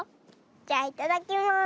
じゃいただきます。